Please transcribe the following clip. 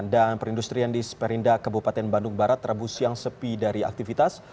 dan perindustrian di sperindak kabupaten bandung barat rabu siang sepi dari aktivitas